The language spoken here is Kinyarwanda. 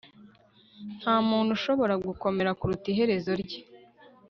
nta muntu ushobora gukomera kuruta iherezo rye